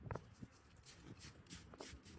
আমরা এখন একটি টিমের মতো।